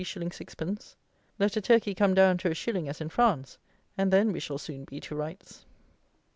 _ 6_d._ Let a turkey come down to a shilling, as in France, and then we shall soon be to rights.